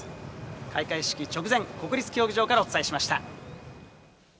開会式直前、国立競技場からお伝えしました。